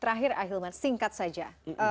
terakhir ahilman singkat saja